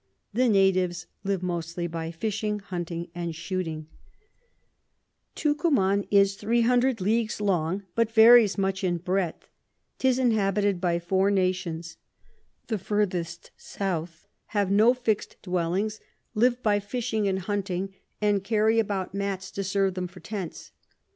The Natives live mostly by Fishing, Hunting, and Shooting. [Sidenote: Account of the River La Plata.] Tucuman is 300 Leagues long, but varies much in breadth. 'Tis inhabited by four Nations: The furthest South have no fix'd Dwellings, live by Fishing and Hunting, and carry about Mats to serve them for Tents.